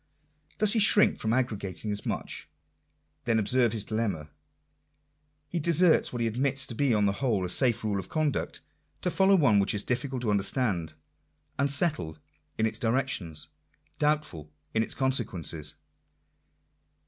Does he shrink from arrogating as much? Then observe his dilemma. He deserts what he admits to be on the whole a safe rale of conduct, to follow one which is difficult to understand; unsettled in its direc tions ; doubtful in its consequences.